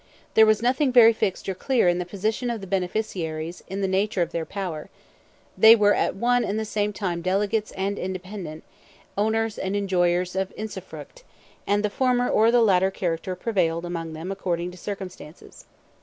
There was nothing very fixed or clear in the position of the beneficiaries and in the nature of their power; they were at one and the same time delegates and independent, owners and enjoyers of usufruct, and the former or the latter character prevailed amongst them according to circumstances.